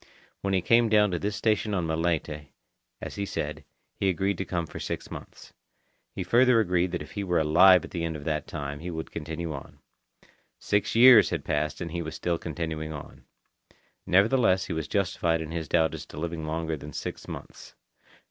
When he came down to this station on Malaita, as he said, he agreed to come for six months. He further agreed that if he were alive at the end of that time, he would continue on. Six years had passed and he was still continuing on. Nevertheless he was justified in his doubt as to living longer than six months.